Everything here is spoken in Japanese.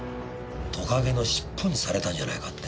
トカゲの尻尾にされたんじゃないかってね。